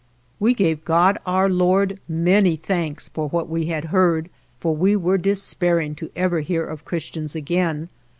We gave God our Lord many thanks for what we had heard, for we were despairing to ever hear of Christians again.